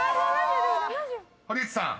［堀内さん